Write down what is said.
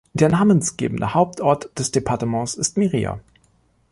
Der namensgebende Hauptort des Departements ist Mirriah.